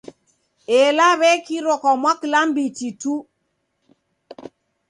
Ela w'ekirwa kwa mwaklambiti tu.